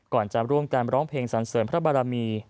ก่อนจะร่วมกันร้องเพลงสันเสริมพระบารมี